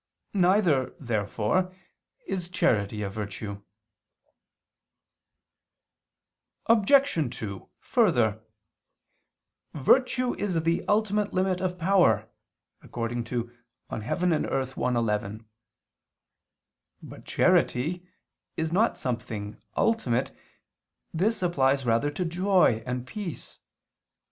Neither, therefore, is charity a virtue. Obj. 2: Further, "virtue is the ultimate limit of power" (De Coelo et Mundo i, 11). But charity is not something ultimate, this applies rather to joy and peace.